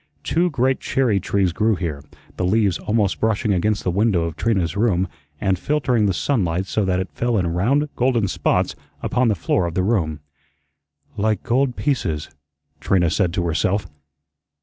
Two great cherry trees grew here, the leaves almost brushing against the window of Trina's room and filtering the sunlight so that it fell in round golden spots upon the floor of the room. "Like gold pieces," Trina said to herself.